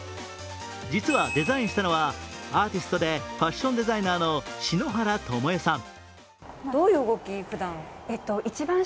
実はデザインしたのは、アーティストでファッションデザイナーの篠原ともえさん。